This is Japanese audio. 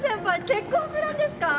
結婚するんですか！？